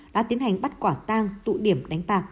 đã tiến hành bắt quả tang tụ điểm đánh bạc